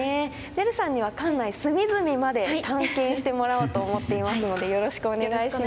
ねるさんには館内隅々まで探検してもらおうと思っていますのでよろしくお願いします。